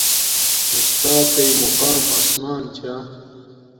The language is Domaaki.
اُستات تݵ مقام اسمان چھا